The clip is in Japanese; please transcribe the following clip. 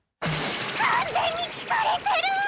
完全に聞かれてる！